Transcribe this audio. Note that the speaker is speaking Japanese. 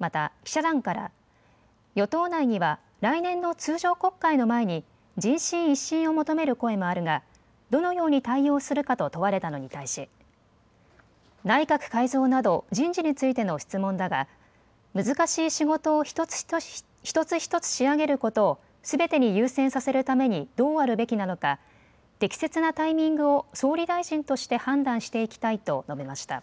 また、記者団から、与党内には、来年の通常国会の前に人心一新を求める声もあるが、どのように対応するかと問われたのに対し、内閣改造など、人事についての質問だが、難しい仕事を一つ一つ仕上げることをすべてに優先させるためにどうあるべきなのか、適切なタイミングを総理大臣として判断していきたいと述べました。